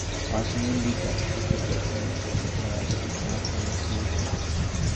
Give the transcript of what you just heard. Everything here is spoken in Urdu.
آج نون لیگ کا مستقبل روشن مگر نوازشریف صاحب کا مخدوش ہے